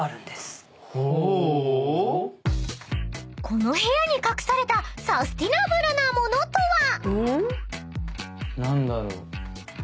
［この部屋に隠されたサスティナブルなものとは？］